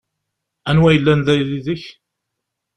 Anwa yellan da yid-k?